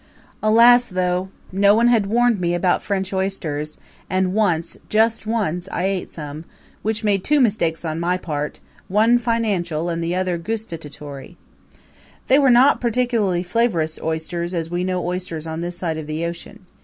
Alas though! no one had warned me about French oysters, and once just once I ate some, which made two mistakes on my part, one financial and the other gustatory. They were not particularly flavorous oysters as we know oysters on this side of the ocean.